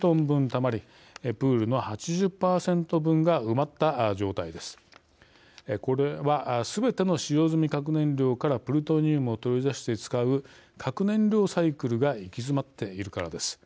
これはすべての使用済み核燃料からプルトニウムを取り出して使う核燃料サイクルが行き詰まっているからです。